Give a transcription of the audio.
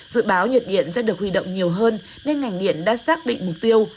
dự báo nhiệt điện sẽ được huy động nhiều hơn nên ngành điện đã xác định mục tiêu